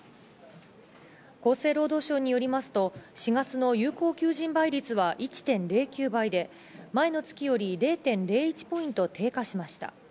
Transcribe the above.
厚生労働省によりますと、４月の有効求人倍率は１．０９倍で、前の月より０．０１ポイント低下しました。